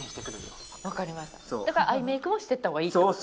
だからアイメイクもしていったほうがいいと。